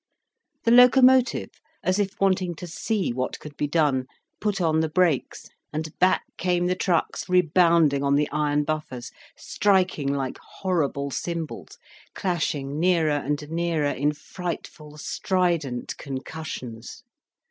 The locomotive, as if wanting to see what could be done, put on the brakes, and back came the trucks rebounding on the iron buffers, striking like horrible cymbals, clashing nearer and nearer in frightful strident concussions.